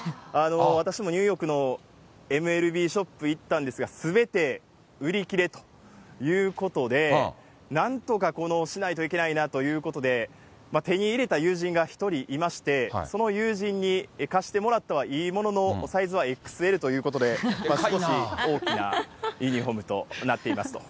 私もニューヨークのＭＬＢショップ行ったんですが、すべて売り切れということで、なんとかしないといけないなということで、手に入れた友人が１人いまして、その友人に貸してもらったはいいものの、サイズはＸＬということで、少し大きなユニホームとなっています